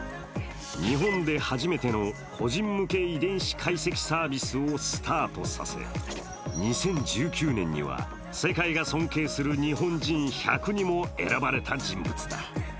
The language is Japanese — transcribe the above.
日本で初めての個人向け遺伝子解析サービスをスタートさせ、２０１９年には、世界が尊敬する日本人１００にも選ばれた人物だ。